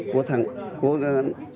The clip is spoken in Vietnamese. của thằng uae